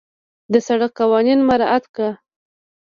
د سړک قوانين مراعت کړه.